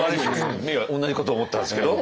今同じこと思ったんですけど。